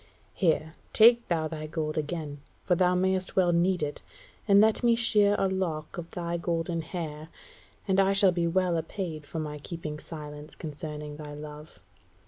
Here, take thou thy gold again, for thou mayst well need it, and let me shear a lock of thy golden hair, and I shall be well apaid for my keeping silence concerning thy love.